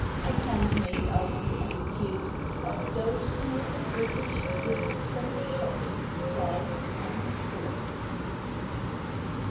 I can't make out the attitude Of those who make the British dip so "shocking," dull and slow!